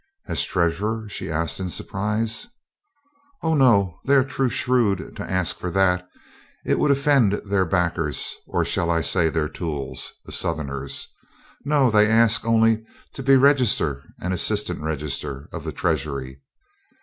"As Treasurer?" she asked in surprise. "Oh, no, they are too shrewd to ask that; it would offend their backers, or shall I say their tools, the Southerners. No, they ask only to be Register and Assistant Register of the Treasury.